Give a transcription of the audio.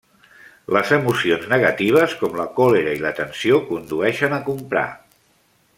Les emocions negatives com la còlera i la tensió condueixen a comprar.